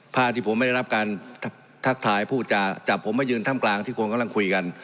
ภาพที่ผมไม่ได้รับการทักทายพูดจาจับผมมายืนถ้ำกลางที่คนกำลังคุยกัน